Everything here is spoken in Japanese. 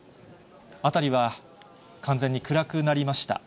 辺りは完全に暗くなりました。